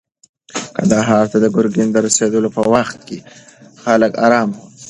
کندهار ته د ګرګین د رسېدلو په وخت کې خلک ارام وو.